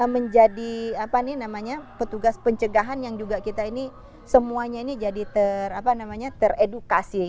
menjadi apa ini namanya petugas pencegahan yang juga kita ini semuanya ini jadi ter apa namanya teredukasi